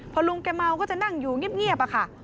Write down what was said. พอลุงแกเมาก็จะนั่งอยู่เงียบอะค่ะ